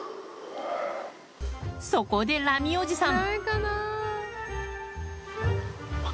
そこで、ラミおじさん。